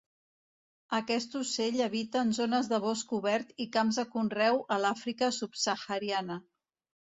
Aquest ocell habita en zones de bosc obert i camps de conreu a l'Àfrica subsahariana.